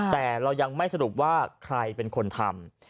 แต่เรายังไม่สรุปว่าใครเป็นคนทำ